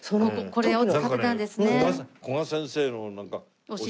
これを使ってたんですね。